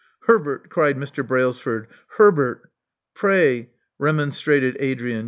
Herbert,*' cried Mr. Brailsford, •'Herbert." PrayI" remonstrated Adrian.